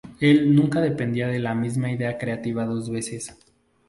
Él nunca dependía de la misma idea creativa dos veces.